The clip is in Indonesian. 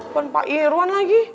kenapa pak irwan lagi